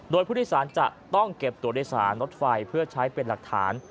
โดยผู้โดยสารจะต้องเก็บตัวโดยสารรถไฟเพื่อใช้เป็นหลักฐาน